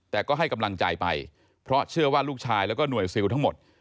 แต่ก็ให้กำลังใจไปเพราะเชื่อว่าลูกชายแล้วก็หน่วยซิลทั้งหมด